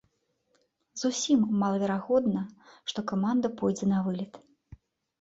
Зусім малаверагодна, што каманда пойдзе на вылет.